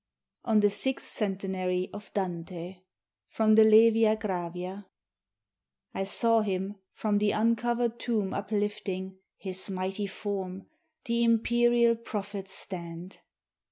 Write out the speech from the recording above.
ON THE SIXTH CENTENARY OF DANTE From the 'Levia Gravia' I saw him, from the uncovered tomb uplifting His mighty form, the imperial prophet stand.